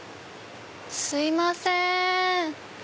すいません！